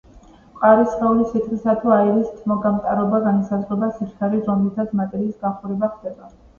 მყარი სხეულის, სითხისა თუ აირის თბოგამტარობა განისაზღვრება სიჩქარით, რომლითაც მატერიის გახურება ხდება.